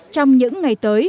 trong những ngày tới